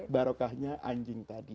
barokahnya anjing tadi